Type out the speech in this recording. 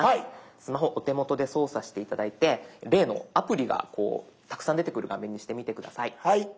スマホお手元で操作して頂いて例のアプリがこうたくさん出てくる画面にしてみて下さい。